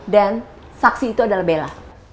dan saksi itu adalah bella